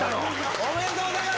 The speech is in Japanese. おめでとうございます。